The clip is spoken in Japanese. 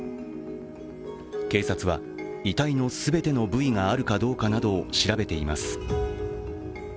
警察は遺体の全ての部位があるかどうかなどを調べています。